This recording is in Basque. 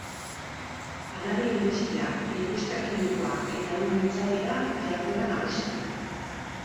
Janari industria, industria kimikoa eta ehungintza dira jarduera nagusiak.